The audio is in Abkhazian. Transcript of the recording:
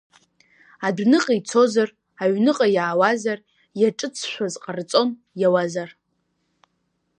Адәныҟа ицозар, аҩныҟа иаауазар, иаҿыҵшәаз ҟарҵон иауазар…